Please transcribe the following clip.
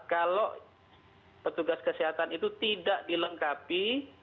kalau petugas kesehatan itu tidak dilengkapi